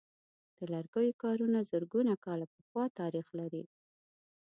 د لرګیو کارونه زرګونه کاله پخوانۍ تاریخ لري.